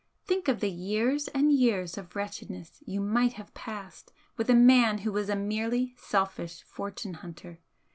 Think of the years and years of wretchedness you might have passed with a man who was a merely selfish fortune hunter!